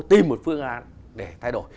tìm một phương án để thay đổi